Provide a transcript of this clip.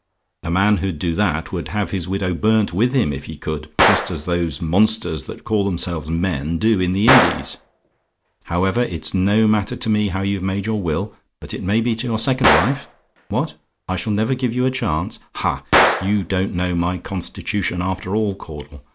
A man who'd do that would have his widow burnt with him, if he could just as those monsters, that call themselves men, do in the Indies. "However, it's no matter to me how you've made your will; but it may be to your second wife. What? "I SHALL NEVER GIVE YOU A CHANCE? "Ha! you don't know my constitution after all, Caudle.